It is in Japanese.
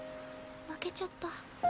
負けちゃった。